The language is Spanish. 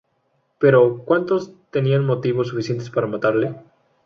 Pero, ¿cuántos tenían motivos suficientes para matarle?